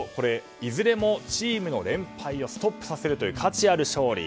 いずれもチームの連敗をストップさせるという価値ある勝利。